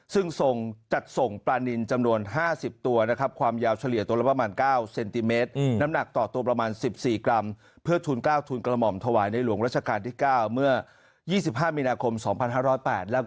ซึ่งส่งจัดส่งปลานินจำนวนห้าสิบตัวนะครับความยาวเฉลี่ยตรงละประมาณเก้า